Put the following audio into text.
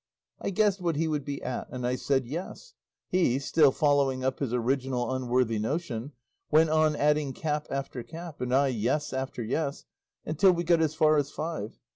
I guessed what he would be at, and I said 'yes.' He, still following up his original unworthy notion, went on adding cap after cap, and I 'yes' after 'yes,' until we got as far as five.